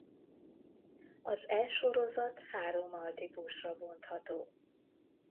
Az E sorozat három altípusra bontható.